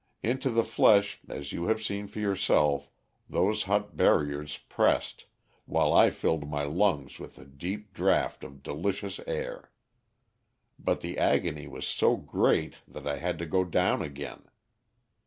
Into the flesh, as you have seen for yourself, those hot barriers pressed, while I filled my lungs with a deep draught of delicious air. But the agony was so great that I had to go down again.